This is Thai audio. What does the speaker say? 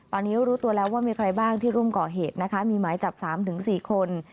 ตอนนี้รู้ตัวแล้วว่ามีใครบ้างที่ร่วมก่อเหตุนะคะมีหมายจับ๓๔คน